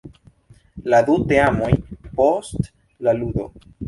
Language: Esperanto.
La du teamoj post la ludo.